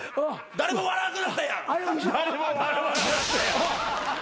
誰も笑わなくなったやん。